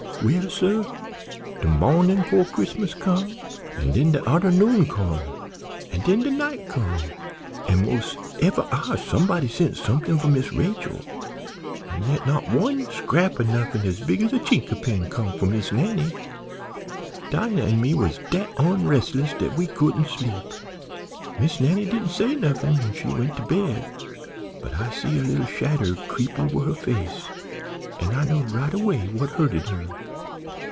Well, suh, de mawnin' 'fore Chris'mas come, an' den de arternoon come, an' den de night come, an' mos' ev'y hour somebody sent somethin' for Miss Rachel, an' yet not one scrap of nuffin big as a chink a pin come for Miss Nannie. Dinah an' me was dat onresless dat we couldn't sleep. Miss Nannie didn't say nuffin when she went to bed, but I see a little shadder creep over her face an' I knowed right away what hurted her.